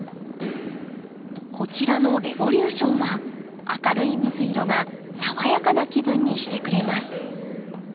こちらのレボリューションは明るい水色が爽やかな気分にしてくれます。